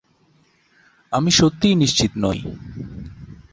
আমি সত্যিই নিশ্চিত নই।